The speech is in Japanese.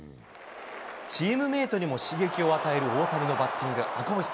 チームメートにも刺激を与える大谷のバッティング。